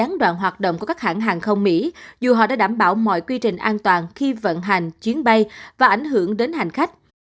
gián đoạn hoạt động của các hãng hàng không mỹ dù họ đã đảm bảo mọi quy trình an toàn khi vận hành chuyến bay và ảnh hưởng đến hành khách